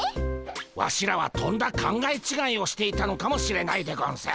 ワシらはとんだ考え違いをしていたのかもしれないでゴンス。